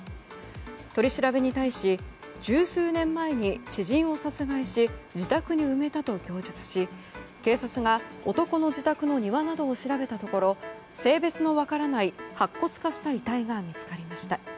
取り調べに対し十数年前に知人を殺害し自宅に埋めたと供述し警察が男の自宅の庭などを調べたところ性別の分からない白骨化した遺体が見つかりました。